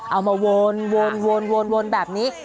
เอามาวนแบบนี้